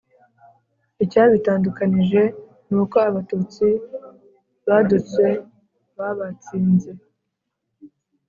icyabitandukanije nuko abatutsi badutse babatsinze